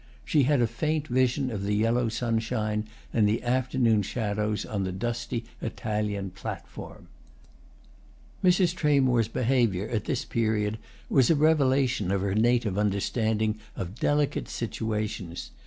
she had a faint vision of the yellow sunshine and the afternoon shadows on the dusty Italian platform. Mrs. Tramore's behaviour at this period was a revelation of her native understanding of delicate situations.